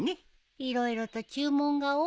いろいろと注文が多いね。